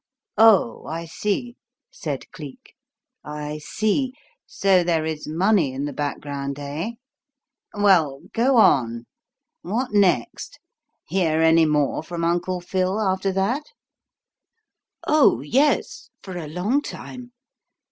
"Oh, I see!" said Cleek. "I see! So there is money in the background, eh? Well go on. What next? Hear any more from Uncle Phil after that?" "Oh, yes for a long time.